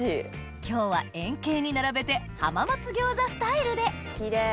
今日は円形に並べて浜松餃子スタイルでキレイ。